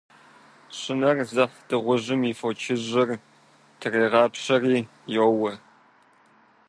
Щынэр зыхь дыгъужьым и фочыжьыр трегъапщэри йоуэ.